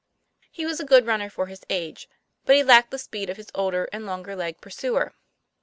He was a good runner for his age; but he lacked the speed of his older and longer legged pursuer.